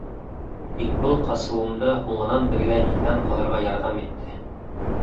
Тик был ҡасыуым да һуңынан беҙгә иҫән ҡалырға ярҙам итте.